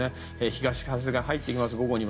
東風が入っています。